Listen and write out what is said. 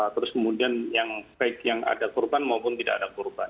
terus kemudian yang baik yang ada korban maupun tidak ada korban